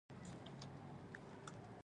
پښتانه ټول افغانان هم دي.